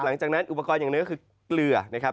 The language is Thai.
หลังจากนั้นอุปกรณ์อย่างหนึ่งก็คือเกลือนะครับ